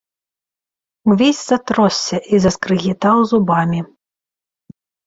Увесь затросся і заскрыгітаў зубамі.